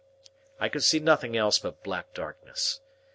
I could see nothing else but black darkness.